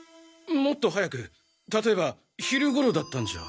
もっと早くたとえば昼頃だったんじゃ？